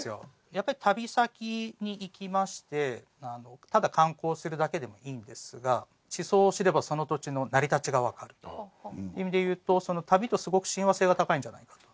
やっぱり旅先に行きましてただ観光するだけでもいいんですが地層を知ればその土地の成り立ちがわかるという意味でいうと旅とすごく親和性が高いんじゃないかと。